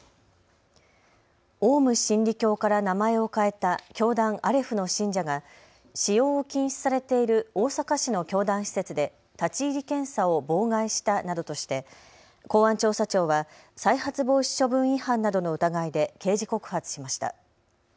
オウム真理教から名前を変えた教団、アレフの信者が使用を禁止されている大阪市の教団施設で立ち入り検査を妨害したなどとして公安調査庁は再発防止処分違反などの疑いで刑事告発しました。